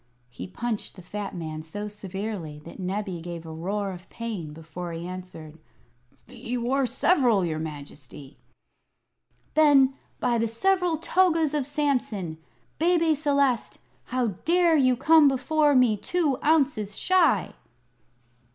He punched the fat man so severely that Nebbie gave a roar of pain before he answered. "He wore several, your Majesty!" "Then, by the several togas of Samson, Bebe Celeste, how dare you come before me two ounces shy?"